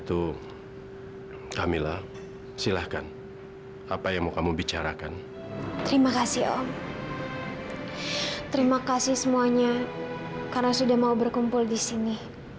terima kasih semuanya karena sudah mau berkumpul di sini